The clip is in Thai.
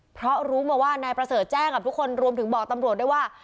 เพราะรู้มาว่านายประเสริฐแจ้งกับทุกคนรวมถึงบอกตำรวจด้วยว่า